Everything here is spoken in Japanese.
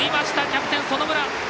キャプテン園村！